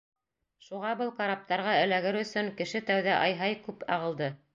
Шуға был караптарға эләгер өсөн кеше тәүҙә ай-һай күп ағылды.